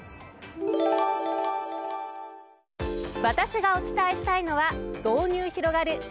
私がお伝えしたいのは導入広がる